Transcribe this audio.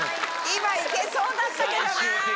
今いけそうだったけどな。